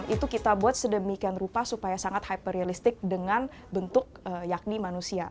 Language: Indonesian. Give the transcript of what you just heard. itu kita buat sedemikian rupa supaya sangat hyperealistik dengan bentuk yakni manusia